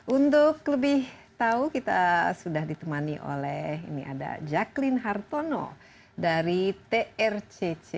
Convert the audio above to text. untuk lebih tahu kita sudah ditemani oleh ini ada jaclin hartono dari trcc